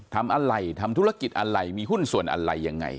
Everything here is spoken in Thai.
ทำอะไรทำธุรกิจอะไรมีหุ้นส่วนอะไรยังไง